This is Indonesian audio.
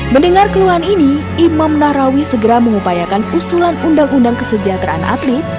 mendengar keluhan ini imam nahrawi segera mengupayakan usulan undang undang kesejahteraan atlet